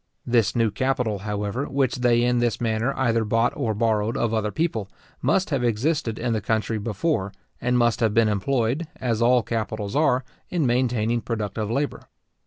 This new capital, however, which they in this manner either bought or borrowed of other people, must have existed in the country before, and must have been employed, as all capitals are, in maintaining productive labour.